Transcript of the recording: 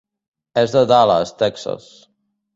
És de Dallas, Texas.